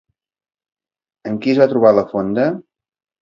Amb qui es va trobar a la fonda?